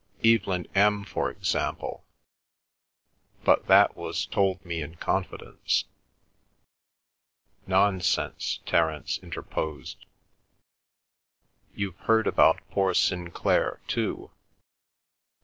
"Evelyn M., for example—but that was told me in confidence." "Nonsense!" Terence interposed. "You've heard about poor Sinclair, too?"